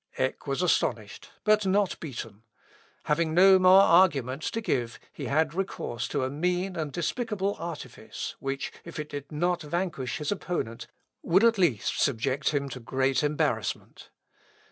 Eck was astonished, but not beaten. Having no more arguments to give, he had recourse to a mean and despicable artifice, which, if it did not vanquish his opponent, would at least subject him to great embarrassment.